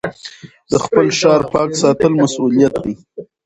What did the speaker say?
د خپل ښار پاک ساتل مسؤلیت دی.